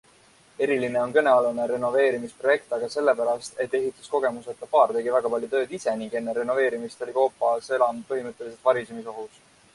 Eriline on kõnealune renoveerimisprojekt aga sellepärast, et ehituskogemuseta paar tegi väga paljud tööd ise ning enne renoveerimist oli koobaselamu põhimõtteliselt varisemisohus.